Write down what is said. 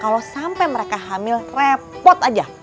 kalo sampe mereka hamil repot aja